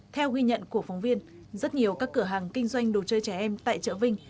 theo ghi nhận của phóng viên rất nhiều các cửa hàng kinh doanh đồ chơi trẻ em tại chợ vinh